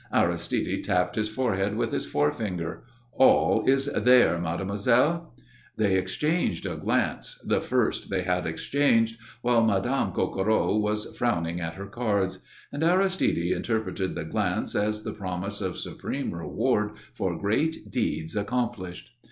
Aristide tapped his forehead with his forefinger. "All is there, Mademoiselle." They exchanged a glance the first they had exchanged while Madame Coquereau was frowning at her cards; and Aristide interpreted the glance as the promise of supreme reward for great deeds accomplished.